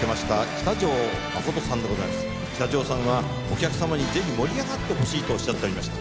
喜多條さんはお客様にぜひ盛り上がってほしいとおっしゃっておりました。